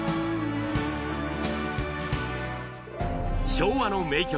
昭和の名曲！